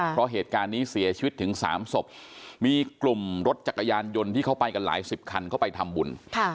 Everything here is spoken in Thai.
เพราะเหตุการณ์นี้เสียชีวิตถึง๓ศพมีกลุ่มรถจักรยานยนต์ที่เขาไปกันหลายสิบคันเข้าไปทำบุญ